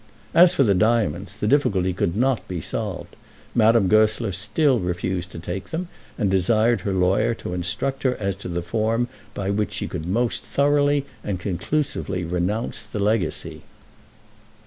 As for the diamonds, the difficulty could not be solved. Madame Goesler still refused to take them, and desired her lawyer to instruct her as to the form by which she could most thoroughly and conclusively renounce that legacy.